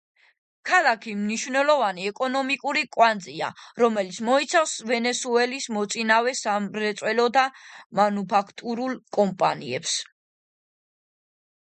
ქალაქი მნიშვნელოვანი ეკონომიკური კვანძია, რომელიც მოიცავს ვენესუელის მოწინავე სამრეწველო და მანუფაქტურულ კომპანიებს.